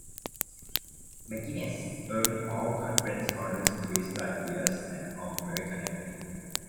McGinest earned all-conference honors three straight years and All-American acclaim.